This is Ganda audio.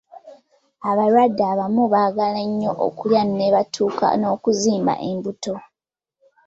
Abalwadde abamu baagala nnyo okulya ne batuuka n’okuzimba embuto.